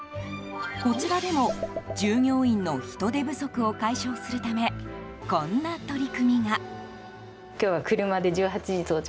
こちらでも従業員の人手不足を解消するためこんな取り組みが。